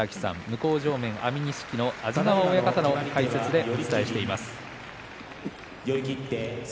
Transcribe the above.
向正面、安美錦の安治川親方の解説でお伝えしています。